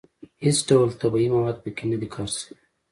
هېڅ ډول طبیعي مواد په کې نه دي کار شوي.